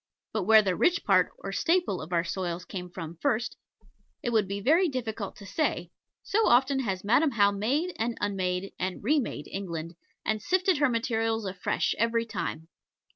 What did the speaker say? But where the rich part, or staple, of our soils came from first it would be very difficult to say, so often has Madam How made, and unmade, and re made England, and sifted her materials afresh every time.